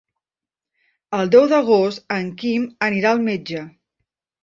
El deu d'agost en Quim anirà al metge.